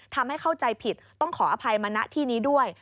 ทำให้เข้าใจผิดต้องขออภัยมาณที่นี้ด้วย